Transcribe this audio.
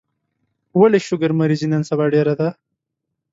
ولي شوګر مريضي نن سبا ډيره ده